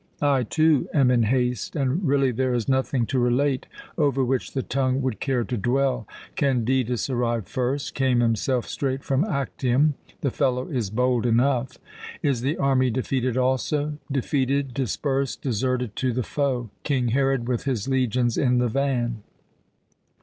"I, too, am in haste, and really there is nothing to relate over which the tongue would care to dwell. Candidus arrived first. Came himself straight from Actium. The fellow is bold enough." "Is the army defeated also?" "Defeated, dispersed, deserted to the foe King Herod with his legions in the van."